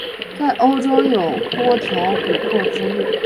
在欧洲有多条琥珀之路。